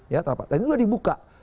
ini sudah dibuka